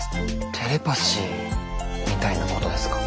テレパシーみたいなことですか？